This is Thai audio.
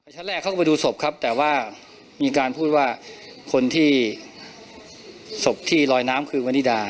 ชั้นแรกเขาก็ไปดูศพครับแต่ว่ามีการพูดว่าคนที่ศพที่ลอยน้ำคือวนิดา